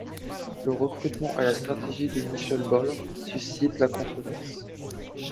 Le recrutement et la stratégie de Michael Ball suscitent la controverse.